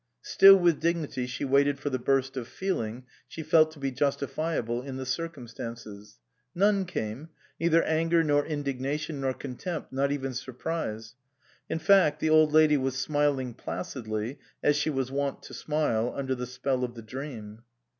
Still with dignity she waited for the burst of feeling she felt to be justifiable in the circum stances. None came ; neither anger, nor indig nation, nor contempt, not even surprise. In fact the Old Lady was smiling placidly, as she was wont to smile under the spell of the dream.